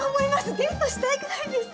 デートしたいくらいです！